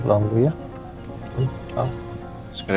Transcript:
khaman terusnya kepadamu mas r bean bei